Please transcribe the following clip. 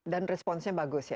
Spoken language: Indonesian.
dan responsnya bagus ya